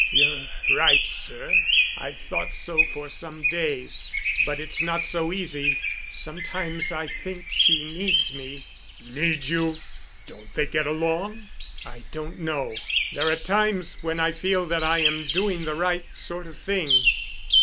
"You're right, sir—I've thought so for some days. But it's not so easy. Sometimes I think she needs me——" "Needs you? Don't they get along?" "I don't know. There are times when I feel that I am doing the right sort of thing."